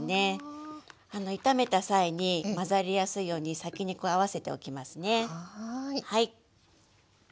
炒めた際に混ざりやすいように先にこう合わせておきますね。